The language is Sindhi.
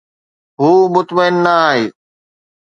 هو مطمئن نه آهي